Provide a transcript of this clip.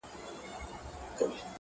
• نفیب ټول ژوند د غُلامانو په رکم نیسې؛